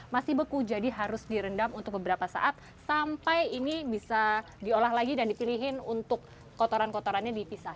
masih beku jadi harus direndam untuk beberapa saat sampai ini bisa diolah lagi dan dipilihin untuk kotoran kotorannya dipisah